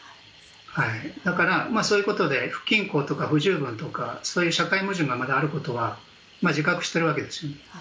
だから、そういうことで不均衡とか不十分とかそういう社会矛盾があることは自覚しているわけですね。